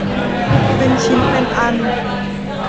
เป็นชิ้นเป็นอัน